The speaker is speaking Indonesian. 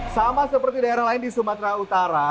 sama seperti daerah lain di sumatera utara